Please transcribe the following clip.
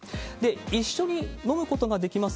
一緒に飲むことができます